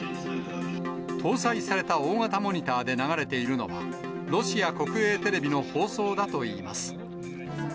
搭載された大型モニターで流れているのは、ロシア国営テレビの放送だといいます。